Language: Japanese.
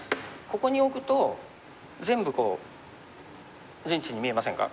ここに置くと全部こう陣地に見えませんか？